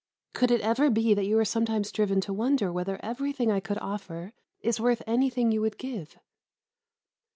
Could it ever be that you are sometimes driven to wonder whether everything I could offer is worth anything you would give?